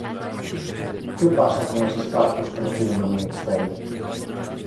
Que pasa con eses cartos que reciben do Ministerio?